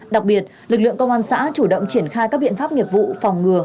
đặc biệt lực lượng công an xã chủ động triển khai các biện pháp nghiệp vụ phòng ngừa